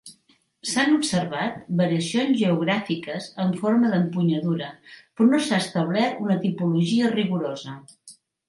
S'han observat variacions geogràfiques en forma d'empunyadura, però no s'ha establert una tipologia rigorosa.